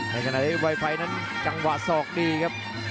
แต่กระดับไฟไฟนั้นจังหวะส่อกดีครับ